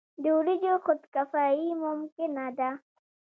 د وریجو خودکفايي ممکنه ده.